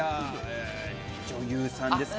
女優さんですか？